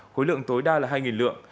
khối lượng tối đa là hai lượng